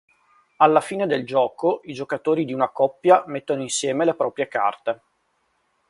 Alla fine del gioco i giocatori di una coppia mettono insieme le proprie carte.